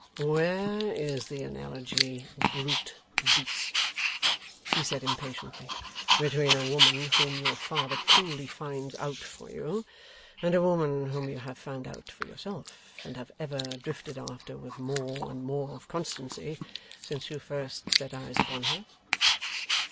'Where is the analogy, Brute Beast,' he said impatiently, 'between a woman whom your father coolly finds out for you and a woman whom you have found out for yourself, and have ever drifted after with more and more of constancy since you first set eyes upon her?